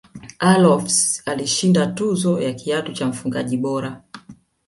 allofs alishinda tuzo ya kiatu cha mfungaji bora